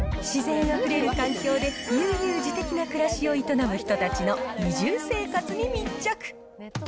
自然あふれる環境で悠々自適な暮らしを営む人たちの移住生活に密着。